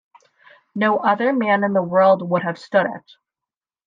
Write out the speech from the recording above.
No other man in the world would have stood it!